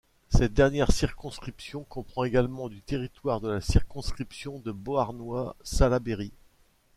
Cette dernière circonscription comprend également du territoire de la circonscription de Beauharnois-Salaberry.